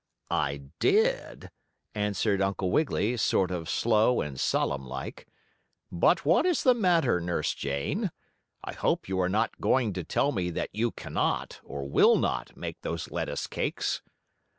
"I did," answered Uncle Wiggily, sort of slow and solemn like. "But what is the matter, Nurse Jane? I hope you are not going to tell me that you cannot, or will not, make those lettuce cakes."